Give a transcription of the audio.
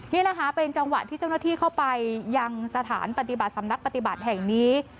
นี่นะคะเป็นจังหวะที่เจ้าหน้าที่เข้าไปยังสถานปฏิบัติสำนักปฏิบัติแห่งนี้